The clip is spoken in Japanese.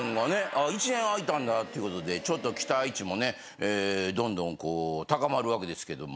１年空いたんだっていうことでちょっと期待値もねどんどん高まるわけですけども。